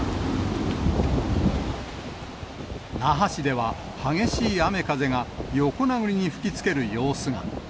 那覇市では、激しい雨風が横殴りに吹きつける様子が。